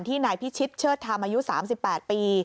ที่นายพี่ชิดเชิดทางอายุ๓๘ปี